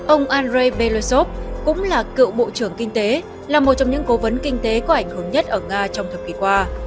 ông andrei belosov cũng là cựu bộ trưởng kinh tế là một trong những cố vấn kinh tế có ảnh hưởng nhất ở nga trong thập kỷ qua